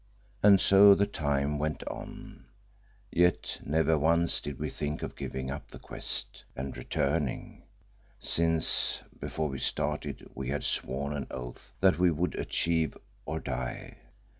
And so the time went on. Yet never once did we think of giving up the quest and returning, since, before we started, we had sworn an oath that we would achieve or die.